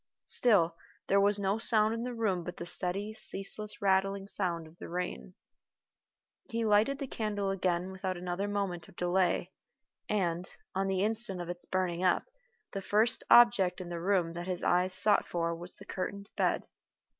Still there was no sound in the room but the steady, ceaseless rattling sound of the rain. He lighted the candle again without another moment of delay, and, on the instant of its burning up, the first object in the room that his eyes sought for was the curtained bed.